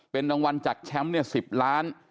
เป็นรางวัลจากแชมป์๑๐ล้าน